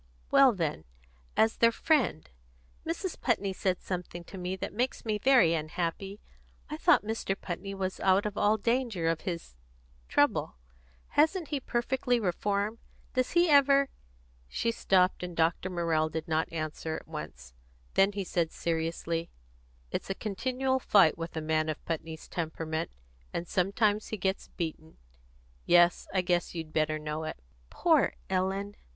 "Well, then, as their friend. Mrs. Putney said something to me that makes me very unhappy. I thought Mr. Putney was out of all danger of his trouble. Hasn't he perfectly reformed? Does he ever " She stopped, and Dr. Morrell did not answer at once. Then he said seriously: "It's a continual fight with a man of Putney's temperament, and sometimes he gets beaten. Yes, I guess you'd better know it." "Poor Ellen!"